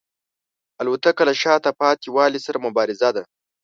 الوتکه له شاته پاتې والي سره مبارزه ده.